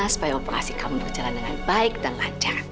supaya operasi kamu berjalan dengan baik dan lancar